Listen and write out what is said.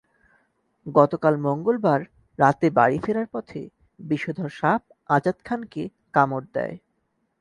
গতকাল মঙ্গলবার রাতে বাড়ি ফেরার পথে বিষধর সাপ আজাদ খানকে কামড় দেয়।